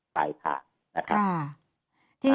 สายหากนะครับ